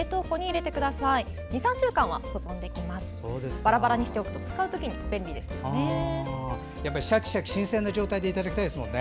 バラバラにしておくと使うときに便利ですよね。